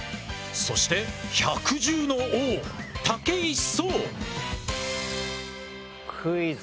そして百獣の王武井壮。